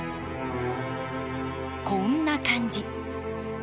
こんな感じ。